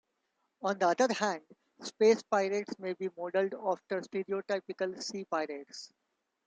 On the other hand, space pirates may be modeled after stereotypical sea pirates.